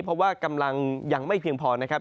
เพราะว่ากำลังยังไม่เพียงพอนะครับ